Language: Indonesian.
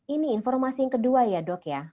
ini informasi yang kedua ya dok ya